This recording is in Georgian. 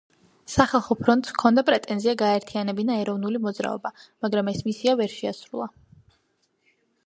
სახალხო ფრონტს ჰქონდა პრეტენზია გაეერთიანებინა ეროვნული მოძრაობა, მაგრამ ეს მისია ვერ შეასრულა.